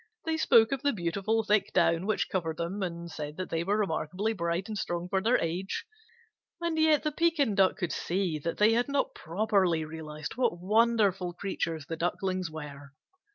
They spoke of the beautiful thick down which covered them, and said that they were remarkably bright and strong for their age. And yet the Pekin Duck could see that they had not properly realized what wonderful creatures the Ducklings were.